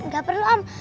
gak perlu om